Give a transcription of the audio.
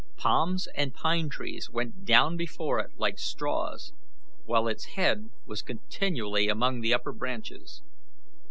Palms and pine trees went down before it like straws, while its head was continually among the upper branches.